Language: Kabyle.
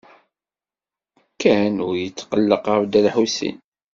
Ken ur yetqelleq ɣef Dda Lḥusin.